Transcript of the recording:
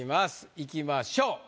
いきましょう。